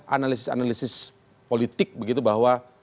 analisis analisis politik begitu bahwa